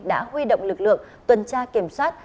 đã huy động lực lượng tuần tra kiểm soát